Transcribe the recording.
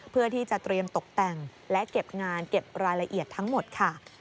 เพื่อที่จะเตรียมตกแต่งและเก็บงานเก็บรายละเอียดทั้งหมดค่ะ